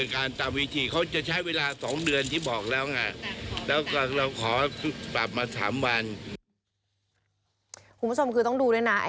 คุณผู้ชมคือต้องดูด้วยนะ